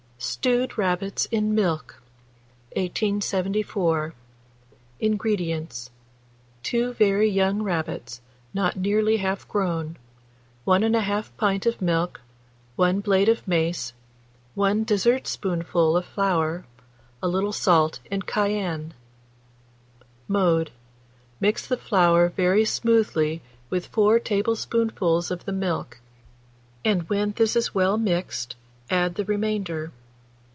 STEWED RABBITS IN MILK. 1874. INGREDIENTS. 2 very young rabbits, not nearly half grown; 1 1/2 pint of milk, 1 blade of mace, 1 dessertspoonful of flour, a little salt and cayenne. Mode. Mix the flour very smoothly with 4 tablespoonfuls of the milk, and when this is well mixed, add the remainder.